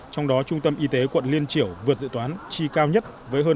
trong đó trung tâm y tế quận liên triểu vượt dự toán chi cao nhất với hơn hai mươi năm